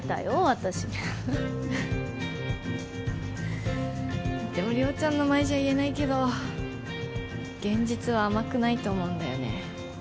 私はでも亮ちゃんの前じゃ言えないけど現実は甘くないと思うんだよね